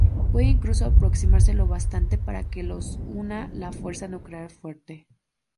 Pueden incluso aproximarse lo bastante para que los una la fuerza nuclear fuerte.